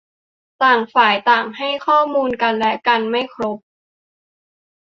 ต่างฝ่ายให้ข้อมูลกันและกันไม่ครบ